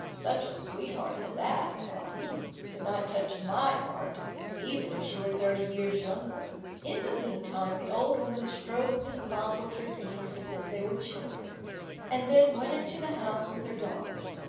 "Such a sweetheart as that," thought he, "could not touch my heart, even if she were thirty years younger." In the meantime the old woman stroked and fondled her geese as if they were children, and then went into the house with her daughter.